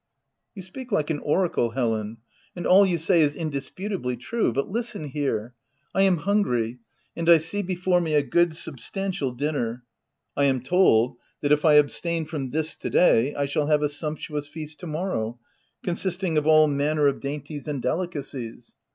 "You speak like an oracle, Helen, and ah you say is indisputably true ; but listen here : I am hungry, and I see before me a good sub stantial dinner ; I am told that, if I abstain from this to day, I shall have a sumptuous feast to morrow, consisting of all manner of dainties E 2 76 THE TENANT and delicacies.